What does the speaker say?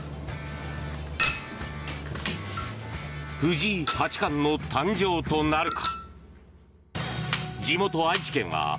藤井八冠の誕生となるか。